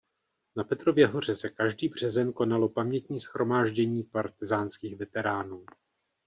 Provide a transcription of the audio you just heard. Na Petrově hoře se každý březen konalo pamětní shromáždění partyzánských veteránů.